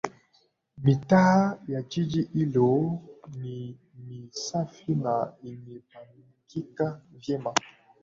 Mitaa ya jiji hilo ni misafi na imepangika vyema